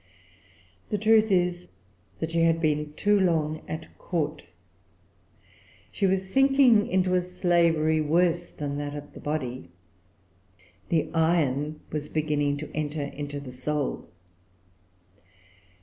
The truth is that she had been too long at Court. She was sinking into a slavery worse than that of the body. The iron was beginning to enter into the soul.